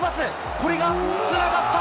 これがつながった！